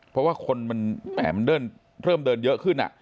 เพราะว่าคนมันเริ่มเดินเติมเดินเยอะขึ้นน่ะ